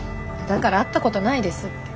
だから会ったことないですって。